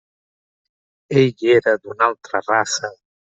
Ell era d'una altra raça.